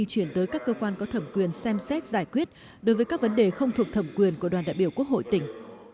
chuyển tới các cơ quan có thẩm quyền xem xét giải quyết đối với các vấn đề không thuộc thẩm quyền của đoàn đại biểu quốc hội tỉnh